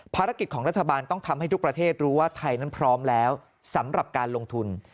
ภารกิจของรัฐบาลต้องทำให้ทุกประเทศรู้ว่าไทยนั้นพร้อมแล้วสำหรับการลงทุน